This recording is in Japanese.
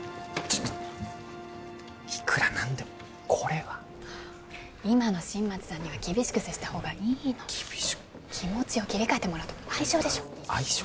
ちょっといくらなんでもこれは今の新町さんには厳しく接した方がいいの気持ちを切り替えてもらうための愛情でしょ愛情？